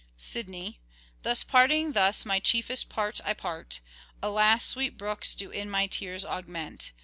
Sidney :" Thus parting thus my chiefest part I part." " Alas, sweet brooks do in my tears augment."